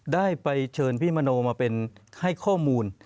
ได้ไปเชิญพี่มโนมาเป็นให้ข้อมูล